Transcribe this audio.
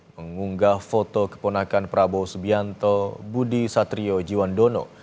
mengunggah foto keponakan prabowo subianto budi satrio jiwandono